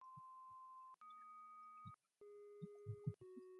The Plaza Level, which contains the Admissions Office, Heritage Room, and RoMo's Cafe.